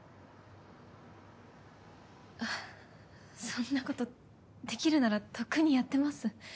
ははっそんなことできるならとっくにやってます。